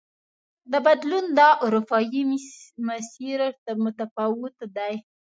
د بدلون دا اروپايي مسیر متفاوت دی.